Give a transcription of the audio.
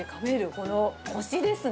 このこしですね。